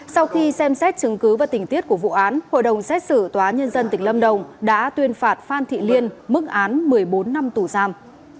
sau khi xem xét chứng cứ và tình tiết của vụ án hội đồng xét xử tòa nhân dân tỉnh lâm đồng đã tuyên phạt phan thị liên mức án một mươi bốn năm tù giam